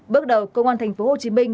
bước đầu công an thành phố hồ chí minh